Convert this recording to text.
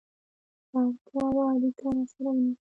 که اړتیا وه، اړیکه راسره ونیسه!